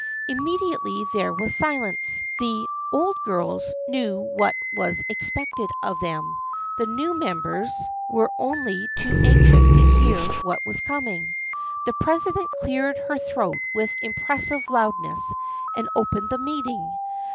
Immediately there was silence. The " old girls " knew what was ex pected of them, the new members were only too anxious to hear what was coming. The president cleared her throat with impressive loudness and opened the meeting.